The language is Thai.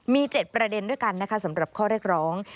มี๗ประเด็นด้วยกันนะคะสำหรับข้อเรียกร้อง